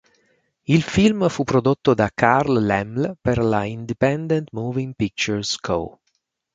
Il film fu prodotto da Carl Laemmle per la Independent Moving Pictures Co.